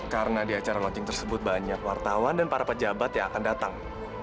karena di acara launching tersebut banyak wartawan dan para pejabat yang akan datang